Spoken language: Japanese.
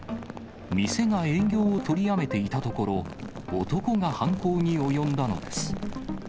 店が営業を取りやめていたところ、男が犯行に及んだのです。